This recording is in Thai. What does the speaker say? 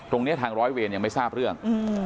ตรงนี้ทางร้อยเวรยังไม่ทราบเรื่อง